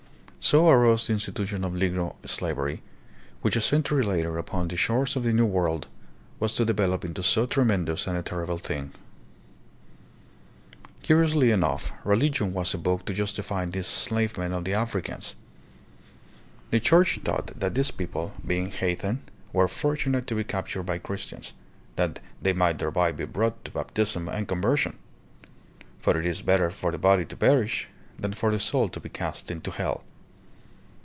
So arose the insti tution of Negro slavery, which a century later upon the shores of the New World was to develop into so tremen dous and terrible a thing. Curiously enough, religion was evoked to justify this enslavement of the Africans. The Church taught that these people, being heathen, were fortunate to be captured by Christians, that they might thereby be brought to baptism and conversion; for it is better for the body to perish than for the soul to be cast into hell.